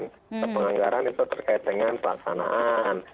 dan penganggaran itu terkait dengan pelaksanaan